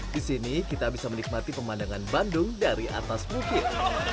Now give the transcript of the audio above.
di sini kita bisa menikmati pemandangan bandung dari atas bukit